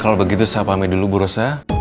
kalo begitu saya pamit dulu bu rosa